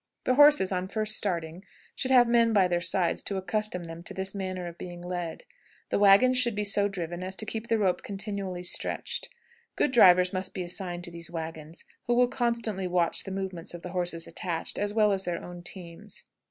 The horses, on first starting, should have men by their sides, to accustom them to this manner of being led. The wagons should be so driven as to keep the rope continually stretched. Good drivers must be assigned to these wagons, who will constantly watch the movements of the horses attached, as well as their own teams.